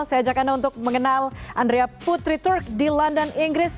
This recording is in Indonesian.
saya ajak anda untuk mengenal andrea putri turk di london inggris